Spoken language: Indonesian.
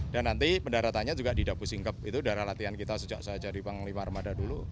dan nanti pendaratannya juga di dapu singkep itu daerah latihan kita sejak saya cari panglima armada dulu